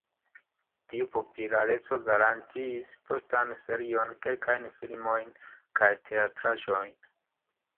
Tiu populareco garantiis postan serion, kelkajn filmojn, kaj teatraĵon.